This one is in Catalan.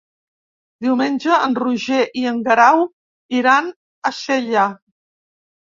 Diumenge en Roger i en Guerau iran a Sella.